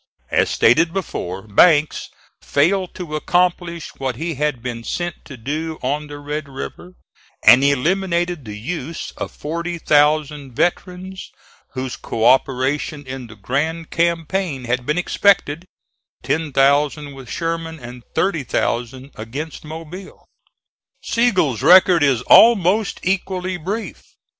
As stated before, Banks failed to accomplish what he had been sent to do on the Red River, and eliminated the use of forty thousand veterans whose cooperation in the grand campaign had been expected ten thousand with Sherman and thirty thousand against Mobile. Sigel's record is almost equally brief.